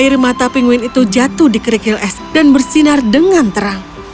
air mata pinguin itu jatuh di kerikil es dan bersinar dengan terang